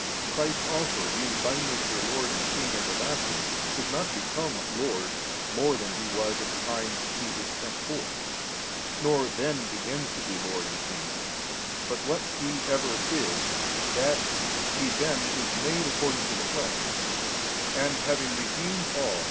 pleaseth Him, so Oirist also being by nature Lord and King everlasting, does not become Lord more than He was at the time He is sent forth, nor then begins to be Lord and King, but what He is ever, that He then is made according to the flesh ; and, having redeemed all.